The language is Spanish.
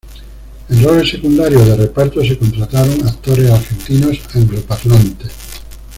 En roles secundarios o de reparto se contrataron actores argentinos angloparlantes.